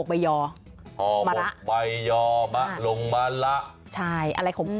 ก็ก้อยไงก้อยขม